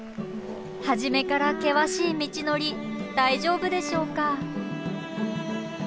はじめから険しい道のり大丈夫でしょうか。